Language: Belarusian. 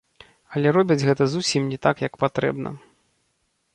Але робяць гэта зусім не так, як патрэбна.